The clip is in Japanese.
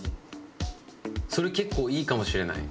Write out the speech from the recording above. それ結構いいかもしれない。